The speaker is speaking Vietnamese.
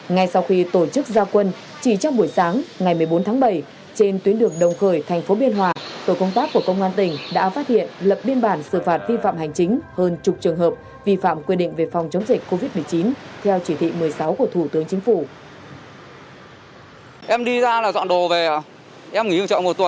ngay sau khi tổ chức gia quân chỉ trong buổi sáng ngày một mươi bốn tháng bảy trên tuyến đường đồng khởi thành phố biên hòa tổ công tác của công an tỉnh đã phát hiện lập biên bản xử phạt vi phạm hành chính hơn chục trường hợp vi phạm quy định về phòng chống dịch covid một mươi chín theo chỉ thị một mươi sáu của thủ tướng chính phủ